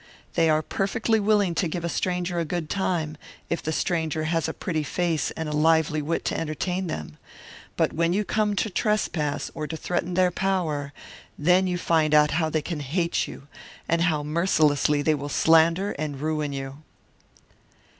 They are perfectly willing to give a stranger a good time, if the stranger has a pretty face and a lively wit to entertain them; but when you come to trespass, or to threaten their power, then you find out how they can hate you, and how mercilessly they will slander and ruin you!"